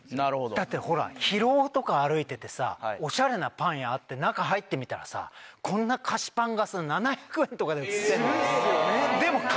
だってほら広尾とか歩いててさおしゃれなパン屋あって中入ってみたらさこんな菓子パンがさ７００円とかで売ってんの。